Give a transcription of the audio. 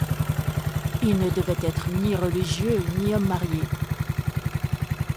Il ne devait être ni religieux ni homme marié.